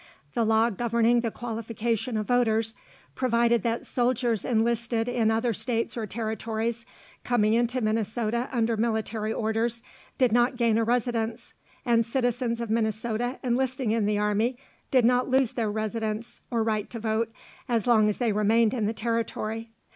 The law governing the qualification of voters provided that soldiers enlisted in other states or territories, coming into Minnesota under military orders, did not gain a residence, and citizens of Minnesota enlisting in the army did not lose their residence or right to vote as long as they remained in the territory.